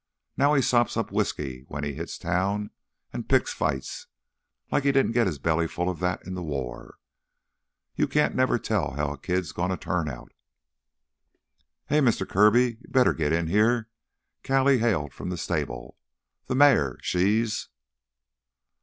Now he sops up whisky when he hits town an' picks fights, like he didn't git his belly full of that in th' war. You can't never tell how a kid's gonna turn out." "Hey! Mister Kirby, you better git in here!" Callie hailed from the stable. "Th' mare ... she's...."